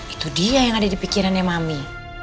itu dia yang ada di pikirannya mami